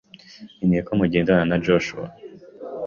nkeneye ko mugendana na Joshua.